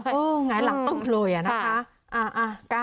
อื้อหงายหลังตึงเลยอะนะคะ